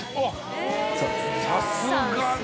さすがね。